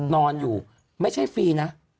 นอนอยู่ไม่ใช่ฟรีนะ